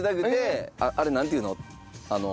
あれなんていうの？